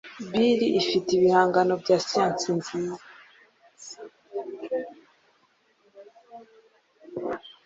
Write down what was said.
Bill ifite ibihangano bya siyansi nziza.